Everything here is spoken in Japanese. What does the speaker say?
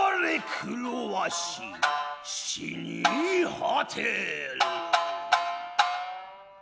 黒鷲死に果てる